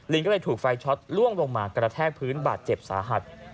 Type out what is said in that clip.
ก็เลยถูกไฟช็อตล่วงลงมากระแทกพื้นบาดเจ็บสาหัส